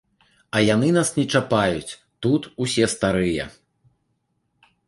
А яны нас не чапаюць, тут усе старыя.